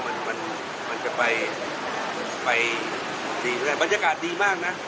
มันมันจะไปจะไปสีแหละบรรยากาศดีมากน่ะ